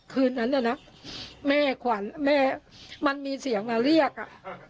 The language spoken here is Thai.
คืนนั้นน่ะนะแม่ขวัญแม่มันมีเสียงมาเรียกอ่ะ